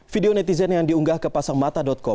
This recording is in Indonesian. video netizen yang diunggah ke pasangmata com